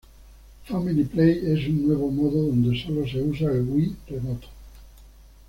Family Play es un nuevo modo donde sólo se usa el Wii Remote.